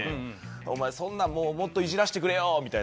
「お前そんなんもっといじらしてくれよ」みたいな。